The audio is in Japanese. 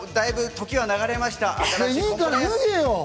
だいぶ時は流れました。